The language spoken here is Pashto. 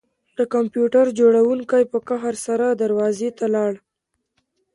د کمپیوټر جوړونکي په قهر سره دروازې ته لاړ